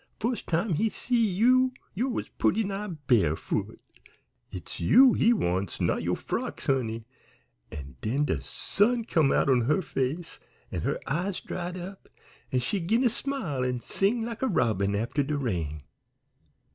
Fust time he see ye yo' was purty nigh barefoot. It's you he wants, not yo' frocks, honey;' an' den de sun come out in her face an' her eyes dried up, an' she 'gin to smile an' sing like a robin after de rain.